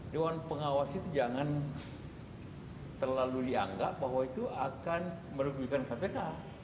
dewan pengawas itu jangan terlalu dianggap bahwa itu akan merugikan kpk